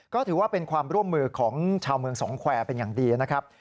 ก็ถือว่าเป็นความร่วมมือของชาวเมืองสองแควร์เป็นอย่างดีนะครับ